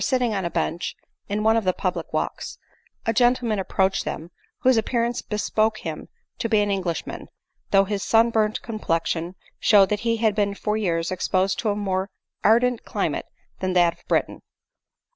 sitting on a bench in one of the public walfcs, a gentleman approached them, whose appearance bespoke him to be an Englishman, though his 80 ABELtNE MOWBRAY. sun burnt pomplexion showed that he had been for years exposed to a more ardent climate than that of Britain.